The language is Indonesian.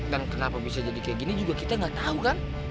dan kenapa bisa jadi kayak gini juga kita gak tau kan